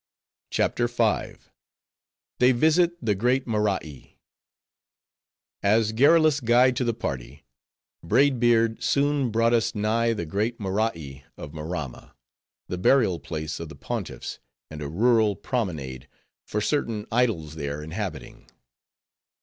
CHAPTER V. They Visit The Great Morai As garrulous guide to the party, Braid Beard soon brought us nigh the great Morai of Maramma, the burial place of the Pontiffs, and a rural promenade, for certain idols there inhabiting.